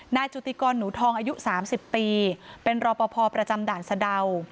จุติกรหนูทองอายุ๓๐ปีเป็นรอปภประจำด่านสะดาว